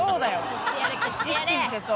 消してやれ消してやれ！